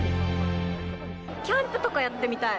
キャンプとかやってみたい。